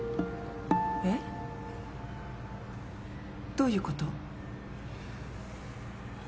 えっ？どういうこと？